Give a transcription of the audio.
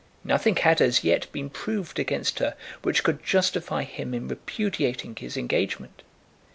Nothing had as yet been proved against her which could justify him in repudiating his engagement.